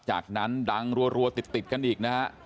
จากนั้นดังรัวติดกันอีกนะฮะ